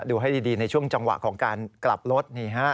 ดูให้ดีในช่วงจังหวะของการกลับรถนี่ฮะ